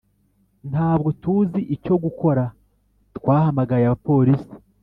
ntabwo tuzi icyo gukora, twahamagaye abapolisi.